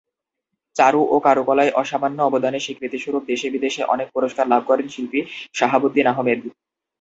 চারু ও কারুকলায় অসামান্য অবদানের স্বীকৃতিস্বরূপ দেশ-বিদেশে অনেক পুরস্কার লাভ করেন শিল্পী শাহাবুদ্দিন আহমেদ।